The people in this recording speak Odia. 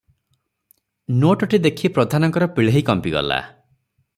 ନୋଟଟି ଦେଖି ପ୍ରଧାନଙ୍କର ପିହ୍ଳେଇ କମ୍ପିଗଲା ।